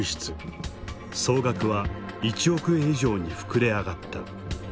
総額は１億円以上に膨れ上がった。